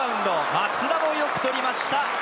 松田も、よく捕りました。